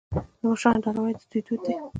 د مشرانو درناوی د دوی دود دی.